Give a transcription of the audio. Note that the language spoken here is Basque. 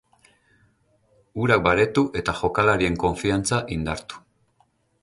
Urak baretu eta jokalarien konfiantza indartu.